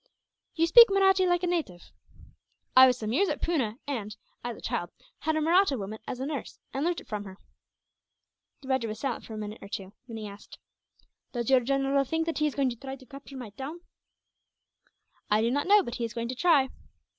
"You speak Mahratti like a native." "I was some years at Poona and, as a child, had a Mahratta woman as a nurse, and learnt it from her." The rajah was silent for a minute or two, then he asked: "Does your general think that he is going to capture my town?" "I do not know, but he is going to try."